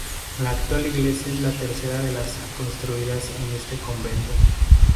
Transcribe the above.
La actual iglesia es la tercera de las construidas en este convento.